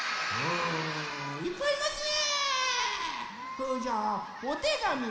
おいっぱいいますね。